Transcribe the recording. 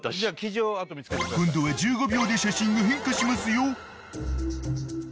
［今度は１５秒で写真が変化しますよ］